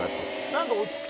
何か。